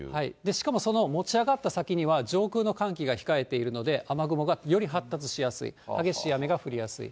しかもその持ち上がった先には、上空の寒気が控えているので、雨雲がより発達しやすい、激しい雨が降りやすい。